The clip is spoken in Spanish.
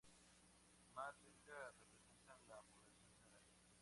Más cerca representan la población general.